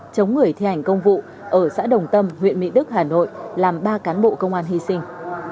chống người thi hành công vụ ở xã đồng tâm huyện mỹ đức hà nội làm ba cán bộ công an hy sinh